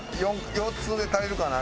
４つで足りるかな？